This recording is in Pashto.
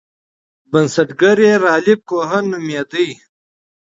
بنسټګر یې رالف کوهن نومیده.